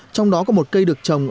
trong đó có một cây được trồng